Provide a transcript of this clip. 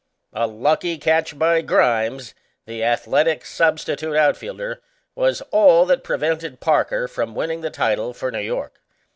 A lucky catch by Grimes, the Athletics' substitute outfielder, was all that prevented Parker from winning the title for New York.